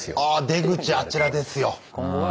「出口あちらですよ」。